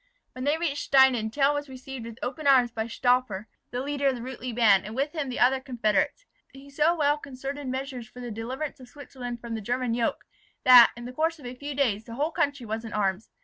When they reached Stienen Tell was received with open arms by Stauffacher, the leader of the Rutli band; and with him and the other confederates, he so well concerted measures for the deliverance of Switzerland from the German yoke, that, in the course of a few days, the whole country was in arms.